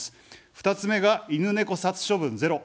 ２つ目が犬猫殺処分ゼロ。